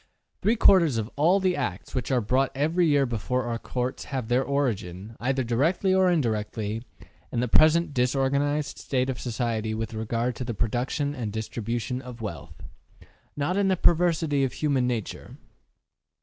Three quarters of all the acts which are brought every year before our courts have their origin, either directly or indirectly, in the present disorganized state of society with regard to the production and distribution of wealth not in the perversity of human nature.